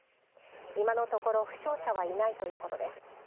今のところ負傷者はいないということです。